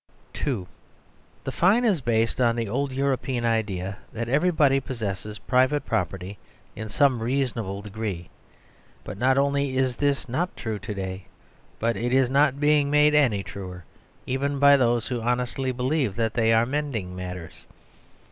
(2) The fine is based on the old European idea that everybody possesses private property in some reasonable degree; but not only is this not true to day, but it is not being made any truer, even by those who honestly believe that they are mending matters.